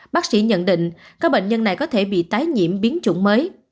bác sĩ nhận định các bệnh nhân này có thể bị tái nhiễm biến chủng mới